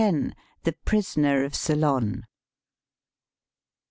THE PBISONER OF CEYLON.